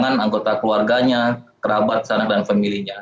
penanganan anggota keluarganya kerabat sanak dan familinya